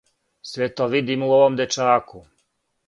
Све то видим у овом дечаку.